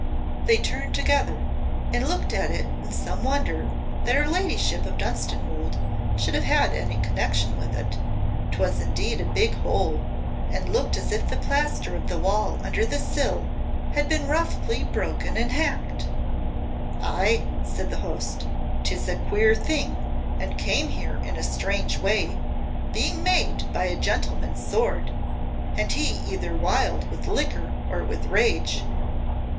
They turned together and looked at it in some wonder that her ladyship of Dunstanwolde should have any connection with it. 'Twas indeed a big hole, and looked as if the plaster of the wall under the sill had been roughly broken and hacked. "Ay," said the host, "'tis a queer thing and came here in a strange way, being made by a gentleman's sword, and he either wild with liquor or with rage.